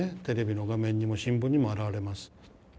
テレビの画面にも新聞にも現れます。